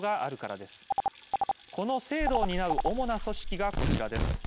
この制度を担う主な組織がこちらです。